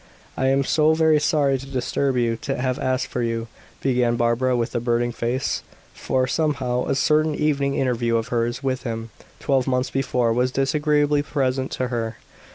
"I am so very sorry to disturb you to have asked for you," began Barbara, with a burning face, for, somehow, a certain evening interview of hers with him, twelve months before, was disagreeably present to her.